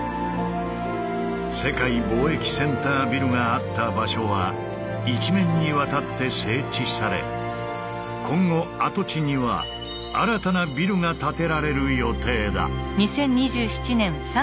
世界貿易センタービルがあった場所は一面にわたって整地され今後跡地には新たなビルが建てられる予定だ。